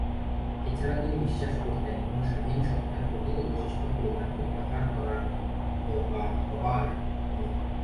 এছাড়া তিনি বিশ্বাস করতেন, কোন স্বাধীন সত্ত্বার প্রকৃত বৈশিষ্ট্য হল তার প্রত্যাহার করার/হবার ক্ষমতা।